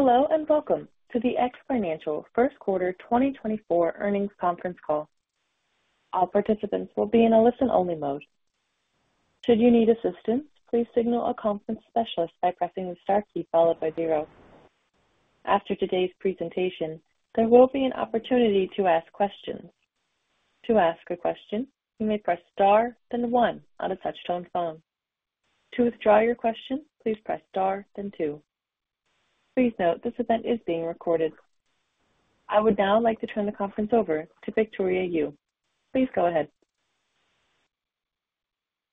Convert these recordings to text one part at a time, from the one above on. Hello, and welcome to the X Financial Q1 2024 Earnings Conference Call. All participants will be in a listen-only mode. Should you need assistance, please signal a conference specialist by pressing the star key followed by zero. After today's presentation, there will be an opportunity to ask questions. To ask a question, you may press star, then one on a touch-tone phone. To withdraw your question, please press star, then two. Please note, this event is being recorded. I would now like to turn the conference over to Victoria Yu. Please go ahead.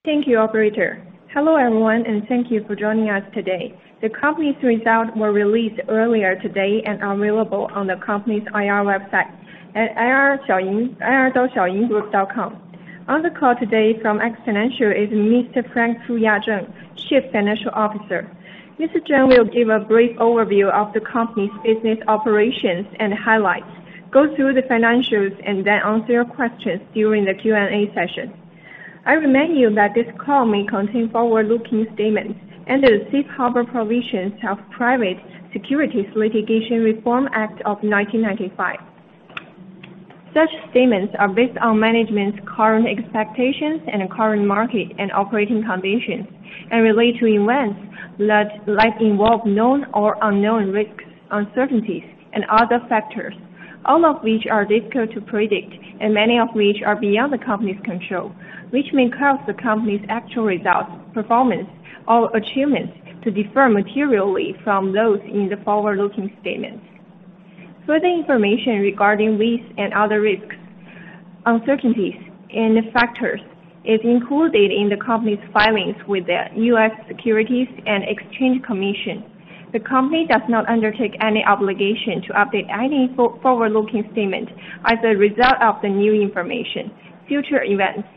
Thank you, operator. Hello, everyone, and thank you for joining us today. The company's results were released earlier today and are available on the company's IR website at ir.xiaoying.com. On the call today from X Financial is Mr. Frank Fuya Zheng, Chief Financial Officer. Mr. Zheng will give a brief overview of the company's business operations and highlights, go through the financials, and then answer your questions during the Q&A session. I remind you that this call may contain forward-looking statements under the Safe Harbor Provisions of Private Securities Litigation Reform Act of 1995. Such statements are based on management's current expectations and current market and operating conditions, and relate to events that, like, involve known or unknown risks, uncertainties, and other factors, all of which are difficult to predict, and many of which are beyond the company's control, which may cause the company's actual results, performance, or achievements to differ materially from those in the forward-looking statements. Further information regarding risks and other risks, uncertainties, and factors is included in the company's filings with the U.S. Securities and Exchange Commission. The company does not undertake any obligation to update any forward-looking statement as a result of the new information, future events,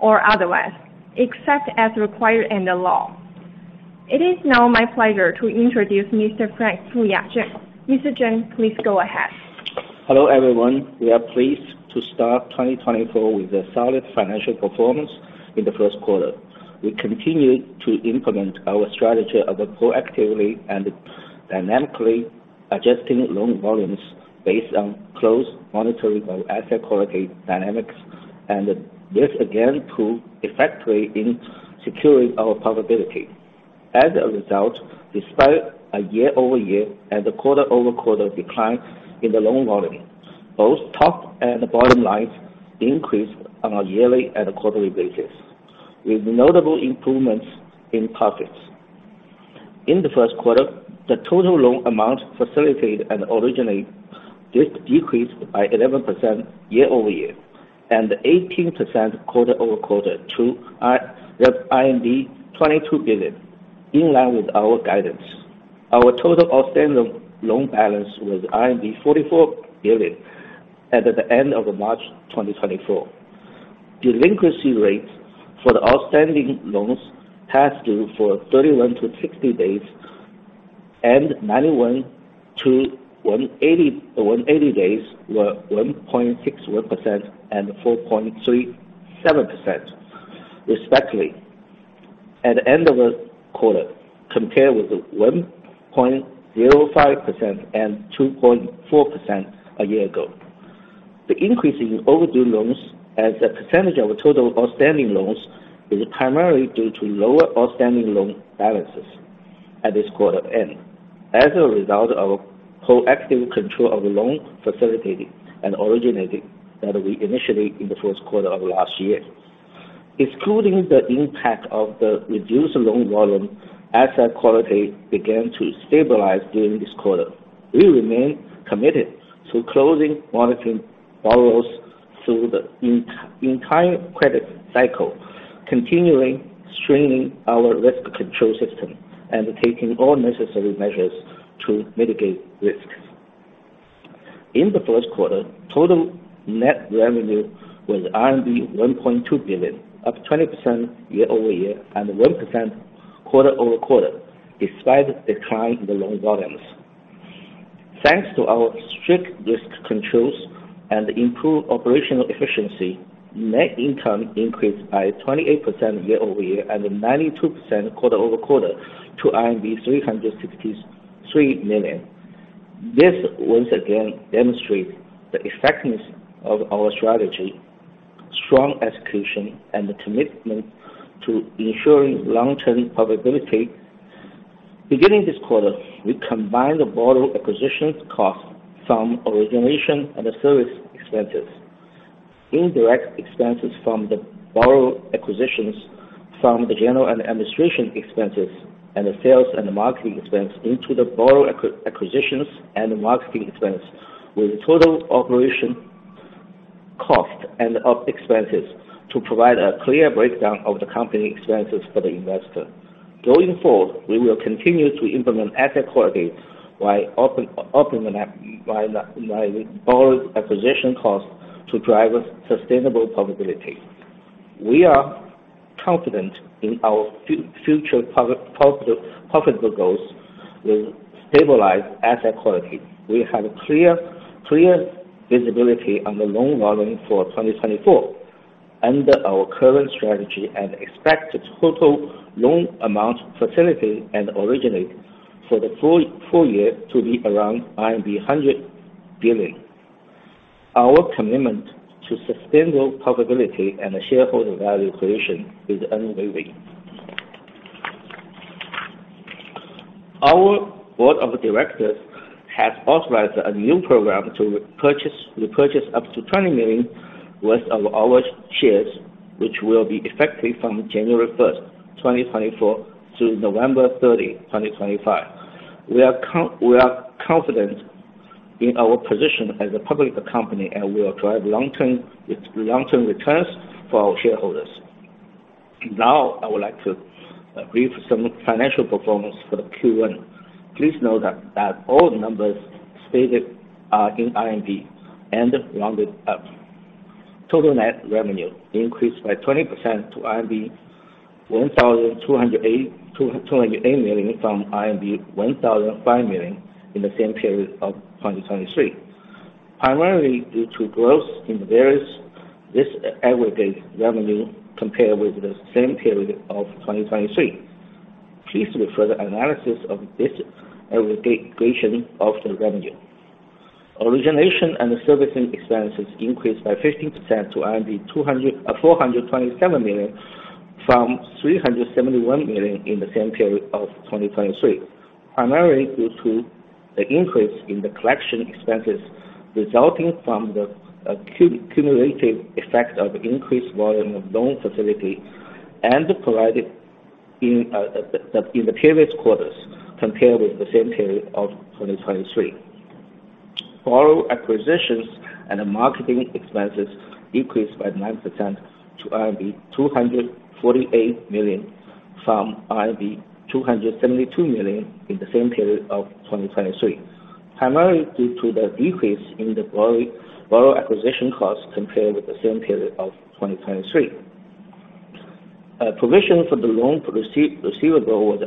or otherwise, except as required in the law. It is now my pleasure to introduce Mr. Frank Fuya Zheng. Mr. Zheng, please go ahead. Hello, everyone. We are pleased to start 2024 with a solid financial performance in the Q1. We continue to implement our strategy of proactively and dynamically adjusting loan volumes based on close monitoring of asset quality dynamics, and this again proved effectively in securing our profitability. As a result, despite a year-over-year and a quarter-over-quarter decline in the loan volume, both top and bottom lines increased on a yearly and a quarterly basis, with notable improvements in profits. In the Q1, the total loan amount facilitated and originated just decreased by 11% year-over-year and 18% quarter-over-quarter to 22 billion, in line with our guidance. Our total outstanding loan balance was 44 billion at the end of March 2024. Delinquency rates for the outstanding loans past due for 31-60 days and 91-180 days were 1.61% and 4.37%, respectively, at the end of the quarter, compared with 1.05% and 2.4% a year ago. The increase in overdue loans as a percentage of total outstanding loans is primarily due to lower outstanding loan balances at this quarter end. As a result of proactive control of the loans facilitated and originated that we initiated in the Q1 of last year. Excluding the impact of the reduced loan volume, asset quality began to stabilize during this quarter. We remain committed to closely monitoring borrowers through the entire credit cycle, continuing strengthening our risk control system and taking all necessary measures to mitigate risks. In the Q1, total net revenue was RMB 1.2 billion, up 20% year-over-year and 1% quarter-over-quarter, despite the decline in the loan volumes. Thanks to our strict risk controls and improved operational efficiency, net income increased by 28% year-over-year and 92% quarter-over-quarter to 363 million. This once again demonstrates the effectiveness of our strategy, strong execution, and the commitment to ensuring long-term profitability. Beginning this quarter, we combined the borrower acquisition cost from origination and the service expenses, indirect expenses from the borrower acquisition from the general and administration expenses and the sales and marketing expense into the borrower acquisition and marketing expense, with total operating cost and OpEx expenses to provide a clear breakdown of the company expenses for the investor. Going forward, we will continue to implement asset quality by optimizing borrower acquisition costs to drive a sustainable profitability. We are confident in our future profitable goals with stabilized asset quality. We have clear visibility on the loan volume for 2024 under our current strategy and expect the total loan amount facilitated and originated for the full year to be around 100 billion. Our commitment to sustainable profitability and shareholder value creation is unwavering. Our board of directors has authorized a new program to repurchase up to $20 million worth of our shares, which will be effective from January 1, 2024, to November 30, 2025. We are confident in our position as a public company, and we will drive long-term returns for our shareholders. Now, I would like to read some financial performance for the Q1. Please note that all the numbers stated are in RMB and rounded up. Total net revenue increased by 20% to 1,208 million, from 1,005 million in the same period of 2023. Primarily due to growth in various, disaggregated revenue compared with the same period of 2023. Please refer the analysis of disaggregation of the revenue. Origination and servicing expenses increased by 15% to 427 million, from 371 million in the same period of 2023. Primarily due to the increase in the collection expenses, resulting from the cumulative effect of increased volume of loan facilitation and provision in the previous quarters, compared with the same period of 2023. Borrower acquisition and marketing expenses decreased by 9% to RMB 248 million, from RMB 272 million in the same period of 2023. Primarily due to the decrease in the borrower acquisition costs compared with the same period of 2023. Provision for the loan receivable was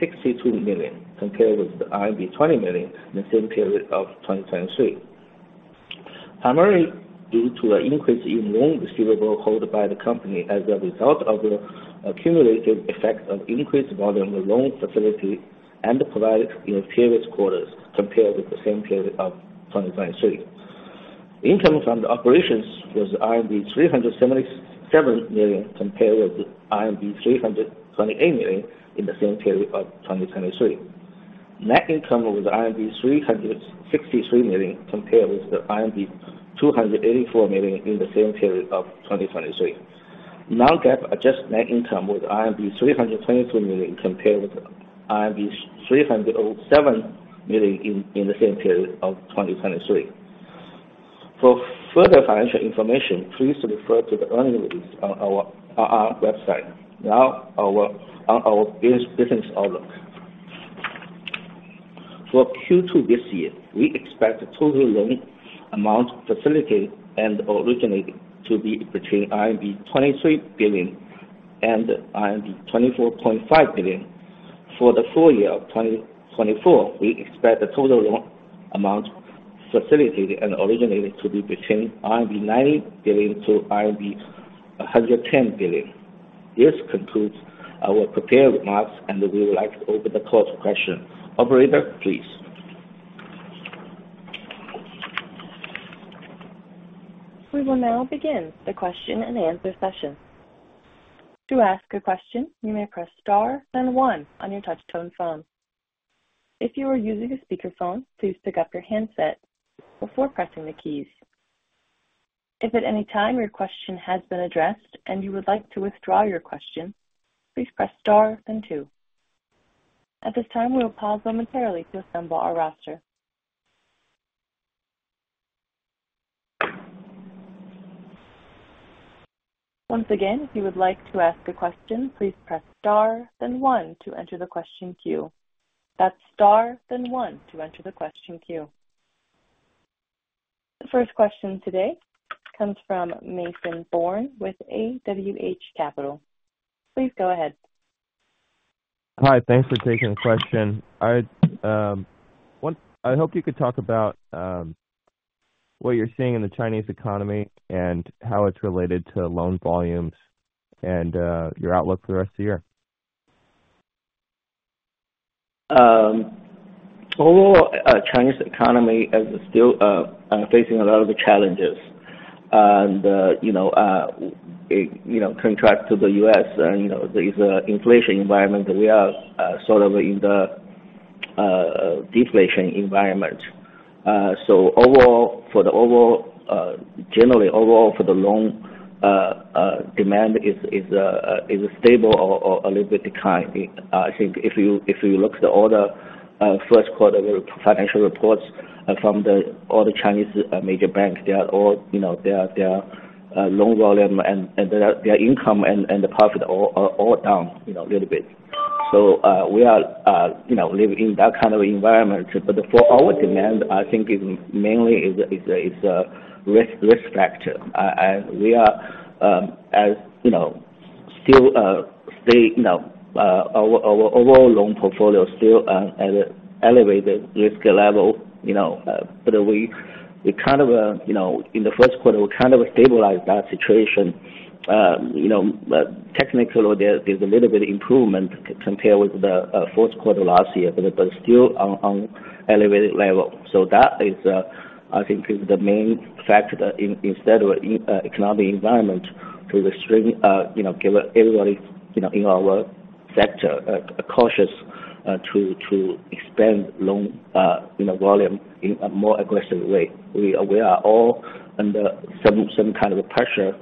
62 million, compared with the 20 million in the same period of 2023. Primarily due to an increase in loan receivable held by the company as a result of the accumulated effect of increased volume of loan facilitation provided in the previous quarters, compared with the same period of 2023. Income from the operations was RMB 377 million, compared with the RMB 328 million in the same period of 2023. Net income was RMB 363 million, compared with the RMB 284 million in the same period of 2023. Non-GAAP adjusted net income was RMB 322 million, compared with the RMB 307 million in the same period of 2023. For further financial information, please refer to the earnings release on our website. Now, on our business outlook. For Q2 this year, we expect the total loan amount facilitated and originated to be between RMB 23 billion and RMB 24.5 billion. For the full year of 2024, we expect the total loan amount facilitated and originated to be between RMB 90 billion to RMB 110 billion. This concludes our prepared remarks, and we would like to open the floor to questions. Operator, please. We will now begin the question-and-answer session. To ask a question, you may press star then one on your touch tone phone. If you are using a speakerphone, please pick up your handset before pressing the keys. If at any time your question has been addressed and you would like to withdraw your question, please press star then two. At this time, we will pause momentarily to assemble our roster. Once again, if you would like to ask a question, please press star then one to enter the question queue. That's star, then one to enter the question queue. The first question today comes from Mason Bourne with AWH Capital. Please go ahead. Hi, thanks for taking the question. I hope you could talk about what you're seeing in the Chinese economy and how it's related to loan volumes and your outlook for the rest of the year. Overall, Chinese economy is still facing a lot of the challenges. And you know, it, you know, contrasts to the U.S., and you know, there is a inflation environment that we are sort of in the deflation environment. So overall, generally, overall for the loan demand is stable or a little bit decline. I think if you look at all the Q1 financial reports from all the Chinese major banks, they are all, you know, their loan volume and their income and the profit are all down, you know, a little bit. So we are you know, living in that kind of environment. But for our demand, I think it mainly is a risk factor. And we are, as you know, still stay, you know, our overall loan portfolio is still at a elevated risk level, you know, but we kind of, you know, in the Q1, we kind of stabilized that situation. You know, but technically, there's a little bit of improvement compared with the Q4 last year, but it is still on elevated level. So that is, I think is the main factor that instead of the economic environment to the extreme, you know, give everybody, you know, in our sector, cautious to expand loan, you know, volume in a more aggressive way. We are all under some kind of pressure,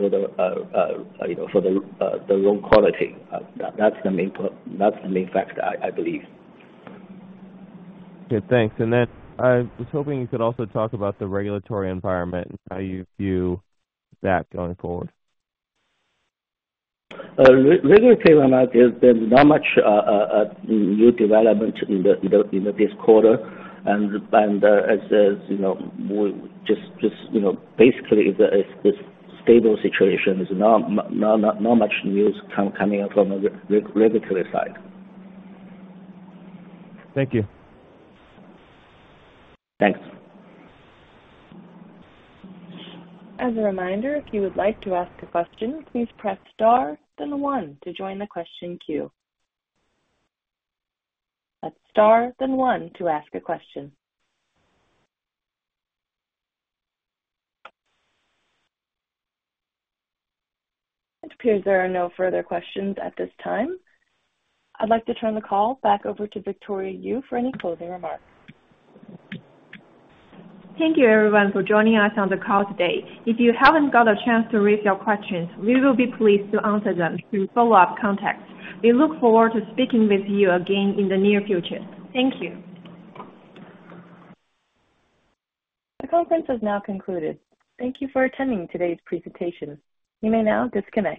you know, for the loan quality. That's the main factor, I believe. Good, thanks. Then I was hoping you could also talk about the regulatory environment and how you view that going forward. Regulatory environment, there's not much new development in this quarter. And as is, you know, we just, you know, basically, it's stable situation. There's not much news coming out from the regulatory side. Thank you. Thanks. As a reminder, if you would like to ask a question, please press star, then one to join the question queue. That's star, then one to ask a question. It appears there are no further questions at this time. I'd like to turn the call back over to Victoria Yu for any closing remarks. Thank you, everyone, for joining us on the call today. If you haven't got a chance to raise your questions, we will be pleased to answer them through follow-up contacts. We look forward to speaking with you again in the near future. Thank you. The conference has now concluded. Thank you for attending today's presentation. You may now disconnect.